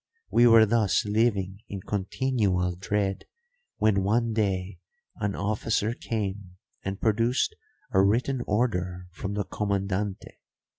We were thus living in continual dread when one day an officer came and produced a written order from the Comandante.